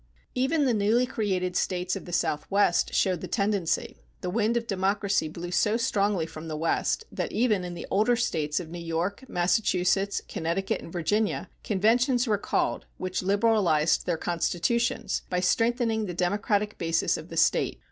Even the newly created States of the Southwest showed the tendency. The wind of democracy blew so strongly from the West, that even in the older States of New York, Massachusetts, Connecticut, and Virginia, conventions were called, which liberalized their constitutions by strengthening the democratic basis of the State.